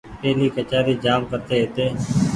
پيهلي ڪچآري جآم ڪرتي هيتي۔